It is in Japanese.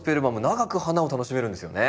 長く花を楽しめるんですよね？